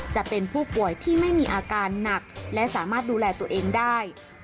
จะเป็นผู้ป่วยที่ไม่มีอาการหนักและสามารถดูแลตัวเองได้